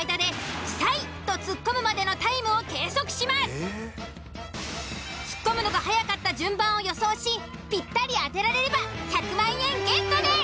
更に７秒たつとツッコむのが早かった順番を予想しぴったり当てられれば１００万円ゲットです！